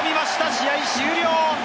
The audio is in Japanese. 試合終了！